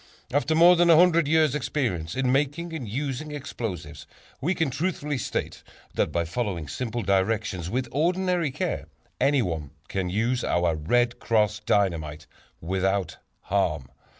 After more than a hundred years' experience in making and using explosives, we can truthfully state that by following simple directions with ordinary care, anyone can use our "Red Cross" Dynamite without harm.